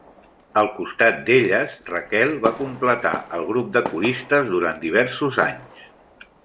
Al costat d'elles Raquel va completar el grup de coristes durant diversos anys.